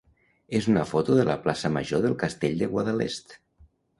és una foto de la plaça major del Castell de Guadalest.